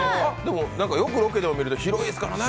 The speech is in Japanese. よくロケで見ると、広いですからね。